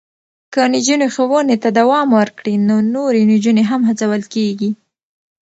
که نجونې ښوونې ته دوام ورکړي، نو نورې نجونې هم هڅول کېږي.